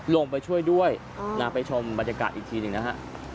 ลงไปช่วยด้วยไปชมบรรยากาศอีกทีหนึ่งนะฮะ